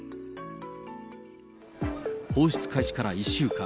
放出開始から１週間。